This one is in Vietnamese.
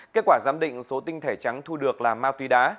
kết quả giám định số tinh thể trắng thu được là ma túy đá